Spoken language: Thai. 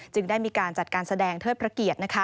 ได้มีการจัดการแสดงเทิดพระเกียรติ